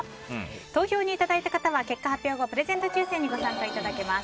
投票いただいた方は結果発表後プレゼント抽選にご参加いただけます。